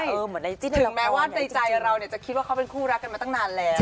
ถึงแม้ว่าในใจเราเนี่ยจะคิดว่าเขาเป็นคู่รักกันมาตั้งนานแล้ว